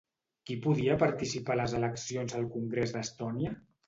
Qui podia participar a les eleccions al Congrés d'Estònia?